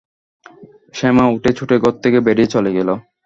শ্যামা উঠে ছুটে ঘর থেকে বেরিয়ে চলে গেল।